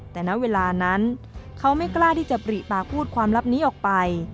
แต่ณเวลานั้นเขาไม่กล้าที่จะปริปากพูดความลับนี้ออกไป